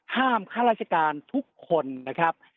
ข้าราชการทุกคนนะครับ